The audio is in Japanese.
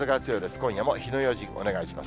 今夜は火の用心、お願いします。